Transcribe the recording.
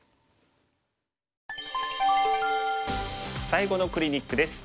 最後のクリニックです。